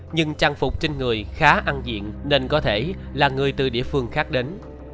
nhưng trang phục trên người khá ăn diện nên có thể là người từ địa phương khác đến